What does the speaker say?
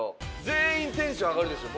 全員テンション上がるでしょ